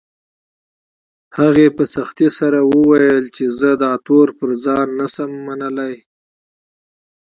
هغې په سختۍ سره وويل چې زه دا تور پر ځان نه شم منلی